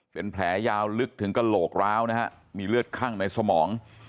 เป็นแผลยาวลึกถึงกระโหลกร้าวนะฮะมีเลือดคั่งในสมอง